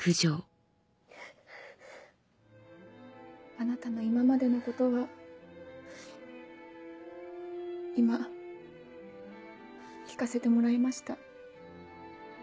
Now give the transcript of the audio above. あなたの今までのことは今聞かせてもらいました。